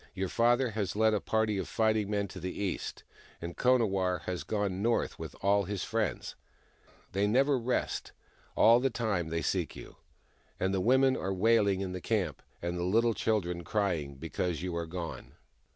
Your father has led a party of fighting men to the east, and Konawarr has gone north with all his friends. They never rest — all the time they seek you. And the women are wailing in the camp, and the little children crying, because you are gone."